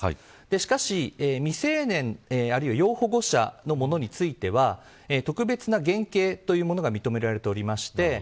しかし未成年、あるいは要保護者のものについては特別な減刑というものが認められています。